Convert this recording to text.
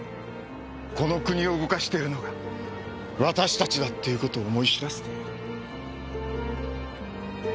この国を動かしているのが私たちだっていう事を思い知らせてやる。